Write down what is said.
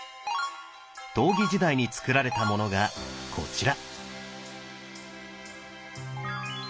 東魏時代につくられたものがこちら。